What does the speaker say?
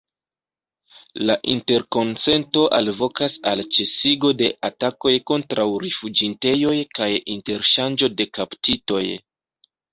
La interkonsento alvokas al ĉesigo de atakoj kontraŭ rifuĝintejoj kaj interŝanĝo de kaptitoj.